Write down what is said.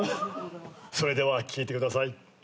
それでは聴いてください。